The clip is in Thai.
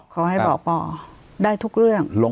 ขอให้บอกปอได้ทุกเรื่อง